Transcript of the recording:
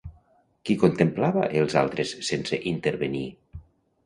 Qui contemplava els altres sense intervenir?